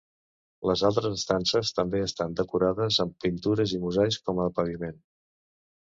Les altres estances, també estan decorades amb pintures i mosaics com a paviment.